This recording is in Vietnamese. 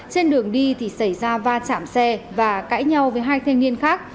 trên đường đi thì xảy ra va chạm xe và cãi nhau với hai thanh niên khác